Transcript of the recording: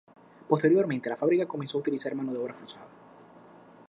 Posteriormente, la fábrica comenzó a utilizar mano de obra forzada.